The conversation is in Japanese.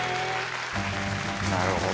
なるほど。